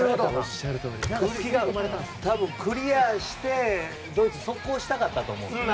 多分、クリアしてドイツ、速攻をしたかったと思うんですよ。